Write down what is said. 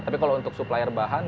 tapi kalau untuk supplier bahan